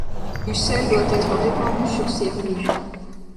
Du sel doit être répandu sur ses ruines.